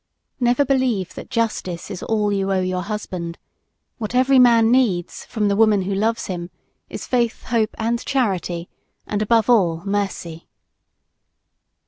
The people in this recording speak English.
Never believe that justice is all you owe your husband; what every man needs, from the woman who loves him, is faith, hope and charity and above all, mercy.